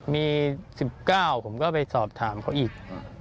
มี๑๙ผมก็ไปสอบถามเขาอีก